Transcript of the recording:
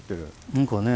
何かね。